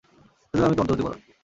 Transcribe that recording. সেজন্য আমি তোমার দোষ দেবো না।